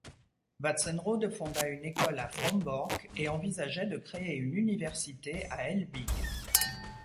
Watzenrode fonda une école à Frombork et envisageait de créer une université à Elbing.